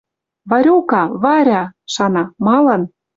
«Варюка, Варя!.. — шана, — малан